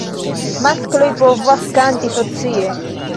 Maskloj povas kanti socie.